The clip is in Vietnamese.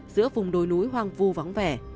giữa vùng đồi núi hoang vu vắng vẻ